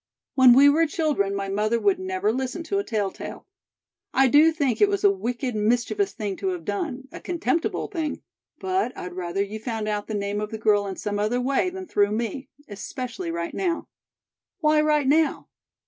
When we were children, my mother would never listen to a telltale. I do think it was a wicked, mischievous thing to have done a contemptible thing; but I'd rather you found out the name of the girl in some other way than through me, especially right now " "Why right now?"